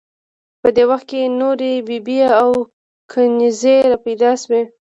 په دې وخت کې نورې بي بي او کنیزې را پیدا شوې.